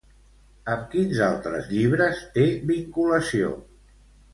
Amb quins altres llibres té vinculació?